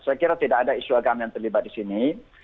saya kira tidak ada isu agama yang terlibat di sini